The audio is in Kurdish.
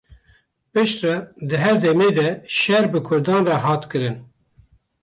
Piştre, di her demê de şer bi kurdan rê hat kirin.